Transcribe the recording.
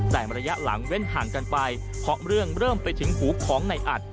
แต่ระยะหลังเว้นห่างกันไปเพราะเรื่องเริ่มไปถึงหูของในอัด